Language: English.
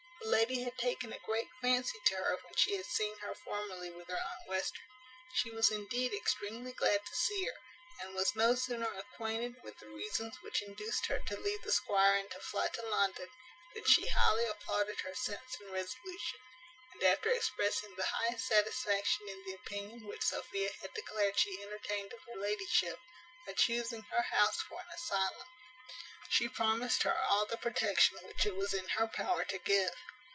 The lady had taken a great fancy to her when she had seen her formerly with her aunt Western. She was indeed extremely glad to see her, and was no sooner acquainted with the reasons which induced her to leave the squire and to fly to London than she highly applauded her sense and resolution; and after expressing the highest satisfaction in the opinion which Sophia had declared she entertained of her ladyship, by chusing her house for an asylum, she promised her all the protection which it was in her power to give.